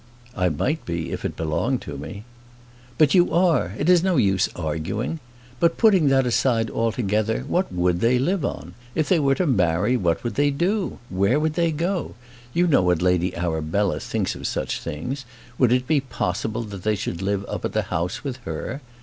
"I might be if it belonged to me." "But you are. It is no use arguing. But, putting that aside altogether, what would they live on? If they were to marry, what would they do? Where would they go? You know what Lady Arabella thinks of such things; would it be possible that they should live up at the house with her?